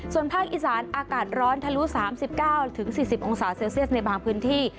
ส่วนภาคอีสานอากาศร้อนทะลุ๓๙๔๐องศาเซลเซียสในบางพื้นที่